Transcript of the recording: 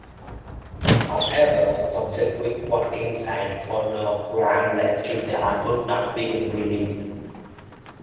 However, conflict with Watkins and Phonogram led to the album not being released.